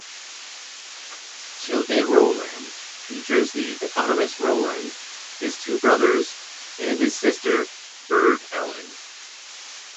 "Childe Rowland" features the eponymous Rowland, his two brothers, and his sister Burd Ellen.